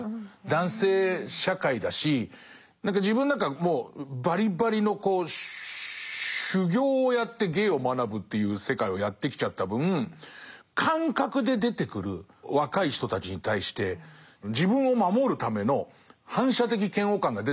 男性社会だし自分なんかもうばりばりの修業をやって芸を学ぶっていう世界をやってきちゃった分感覚で出てくる若い人たちに対して自分を守るための反射的嫌悪感が出たりする時があって。